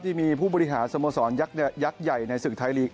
ที่มีผู้บริหารสโมสรยักษยักษ์ใหญ่ในศึกไทยลีก